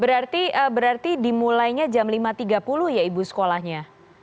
berarti dimulainya jam lima tiga puluh ya ibu sekolahnya